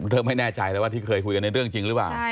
เธอไม่แน่ใจแล้วว่าที่เคยคุยกันในเรื่องจริงหรือเปล่า